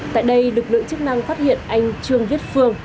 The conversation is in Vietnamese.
tại đây lực lượng chức năng phát hiện anh trương viết phương